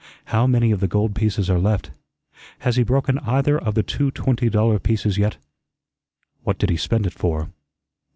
How many of the gold pieces are left? Has he broken either of the two twenty dollar pieces yet? What did he spend it for?"